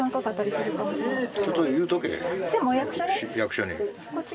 ちょっと言うとけ役所に。